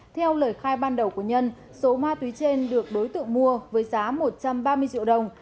theo lời khai ban đầu của nhân số ma túy trên được đối tượng mua với giá một trăm ba mươi triệu đồng